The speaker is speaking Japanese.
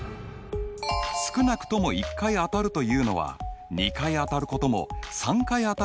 少なくとも１回当たるというのは２回当たることも３回当たることも含むよね。